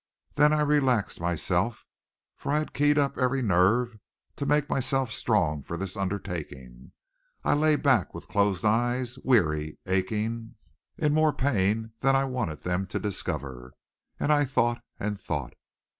Then I relaxed myself, for I had keyed up every nerve to make myself strong for this undertaking. I lay back with closed eyes, weary, aching, in more pain than I wanted them to discover. And I thought and thought.